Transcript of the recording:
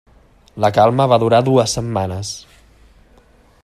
La calma va durar dues setmanes.